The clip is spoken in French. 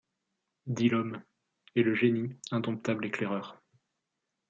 Dit l’homme ! Et le génie, indomptable éclaireur